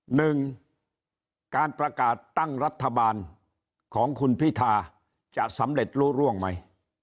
หนึ่งการประกาศตั้งรัฐบาลของคุณพิธาจะสำเร็จรู้ร่วงไหม